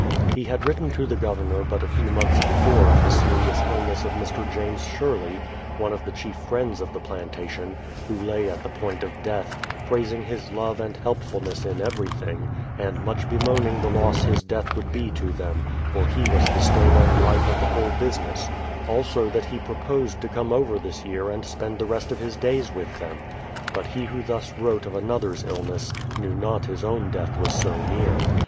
He had written to the Governor but a few months before of the serious illness of Mr. James Sherley, one of the chief friends of the plantation, who lay at the point of death, praising his love and helpfulness in every thing, and much bemoaning the loss his death would be to them, for he was the stay and life of the whole business; also that he proposed to come over this year and spend the rest of his days with them. But he who thus wrote of another's illness, knew not his own death was so near.